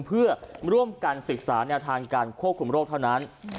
เพื่อร่วมกันศึกษาแนวทางการควบคุมโรคเท่านั้น